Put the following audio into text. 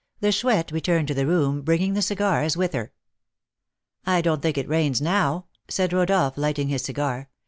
The Chouette returned to the room, bringing the cigars with her. "I don't think it rains now," said Rodolph, lighting his cigar.